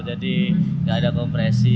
jadi gak ada kompresi